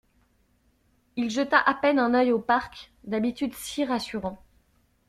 Il jeta à peine un œil au parc, d’habitude si rassurant.